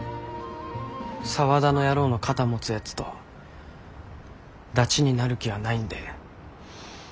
沢田の野郎の肩持つやつとダチになる気はないんで。